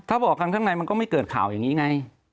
ถ้าบอกกันข้างในมันก็ไม่เกิดข่าวอย่างนี้ไง